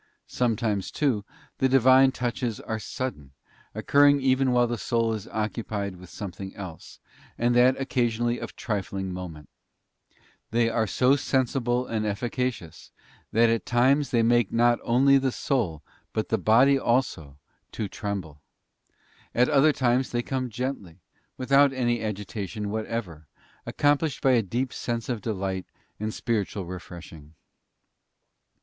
Sometimes, too, the Divine touches are sudden, occurring even while the soul is occupied with something else, and that occasionally of trifling moment. They are also so sensible and efficacious, that at times they make not only the soul, but the body also, to tremble. At other times they come gently, without any agitation what ever, accompanied by a deep sense of delight and spiritual refreshing.